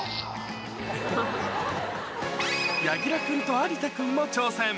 柳楽君と有田君も挑戦。